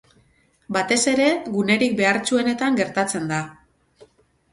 Batez ere, gunerik behartsuenetan gertatzen da.